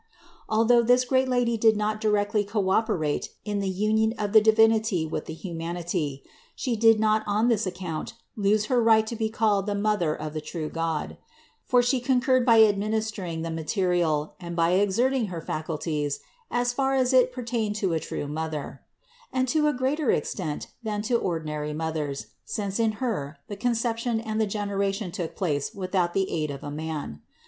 Although this great Lady did not directly co operate in the union of the Divinity with the humanity, She did not on this account lose her right to be called the Mother of the true God; for She concurred bv ad 122 CITY OF GOD ministering the material and by exerting her faculties, as far as it pertained to a true Mother ; and to a greater extent than to ordinary mothers, since in Her the con ception and the generation took place without the aid of a man.